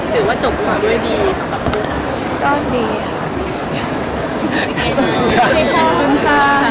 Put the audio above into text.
ถือว่าจบความไม่ดีค่ะ